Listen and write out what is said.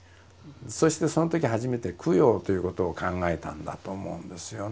そしてそのとき初めて供養ということを考えたんだと思うんですよね。